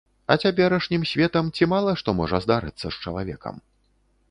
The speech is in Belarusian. А цяперашнім светам ці мала што можа здарыцца з чалавекам.